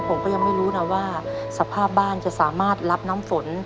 ผมก็ยังไม่รู้นะว่าสภาพบ้านจะสามารถรับน้ำฝน